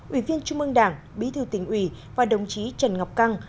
ủy viên trung mương đảng bí thư tỉnh ủy và đồng chí trần ngọc căng